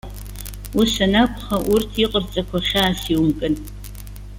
Ус анакәха, урҭ иҟарҵақәо хьаас иумкын.